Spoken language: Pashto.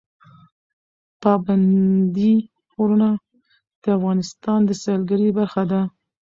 پابندی غرونه د افغانستان د سیلګرۍ برخه ده.